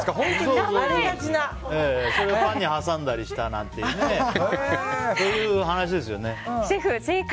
それをパンに挟んだりしたなんていうそういう話ですよね？